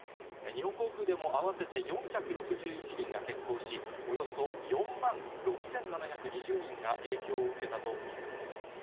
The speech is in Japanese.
日本航空でも、合わせて４６１便が欠航し、およそ４万６７２０人が影響を受けたということです。